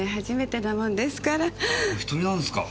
あお１人なんですか？